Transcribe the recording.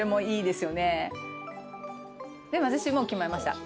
でも私もう決まりました。